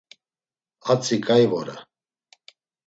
Atzi ǩai vore.